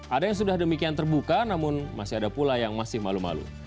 ada yang sudah demikian terbuka namun masih ada pula yang masih malu malu